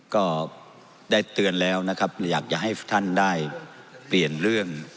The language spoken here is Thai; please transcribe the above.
ก็ได้เตือนแล้วนะครับอยากจะให้ท่านได้เปลี่ยนเรื่อง